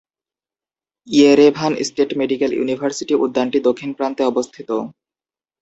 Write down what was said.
Yerevan state medical university উদ্যানটি দক্ষিণ প্রান্তে অবস্থিত।